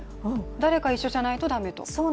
誰か一緒じゃないと駄目と。